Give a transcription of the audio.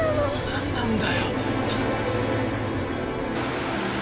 何なんだよ！